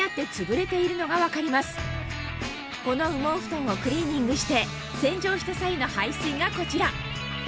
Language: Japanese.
この羽毛ふとんをクリーニングして洗浄した際の排水がこちら